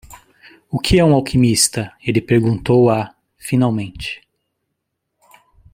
"O que é um alquimista?", ele perguntou a? finalmente.